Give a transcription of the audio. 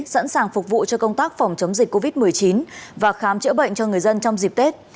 sẵn sàng phục vụ cho công tác phòng chống dịch covid một mươi chín và khám chữa bệnh cho người dân trong dịp tết